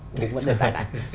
cũng vẫn đề tài này